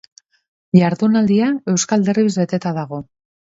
Ihardunaldia euskal derbiz beteta dago.